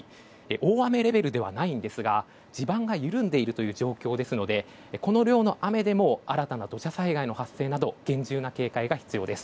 大雨レベルではないんですが地盤が緩んでいるという状況ですので、この量の雨でも新たな土砂災害の発生など厳重な警戒が必要です。